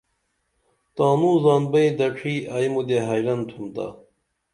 تاںوں زان بئیں دڇھی ائی مُدے حیرن تُھمتا